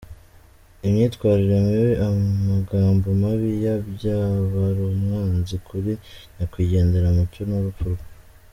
Imyitwarire mibi, amagambo mabi ya Byabarumwanzi kuri Nyakwigendera Mucyo n’urupfu rwe.